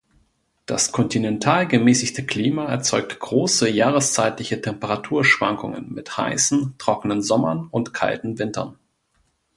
Das kontinental-gemäßigte Klima erzeugt große jahreszeitliche Temperaturschwankungen mit heißen, trockenen Sommern und kalten Wintern.